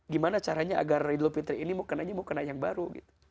gimana caranya agar idul fitri ini kenanya mau kena yang baru gitu